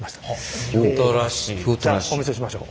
じゃあお見せしましょう。